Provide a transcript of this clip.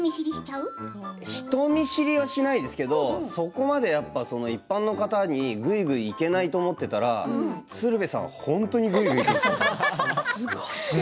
人見知りはしないですけどそこまで一般の方にぐいぐいいけないと思っていたら鶴瓶さん、本当にぐいぐいいくんです。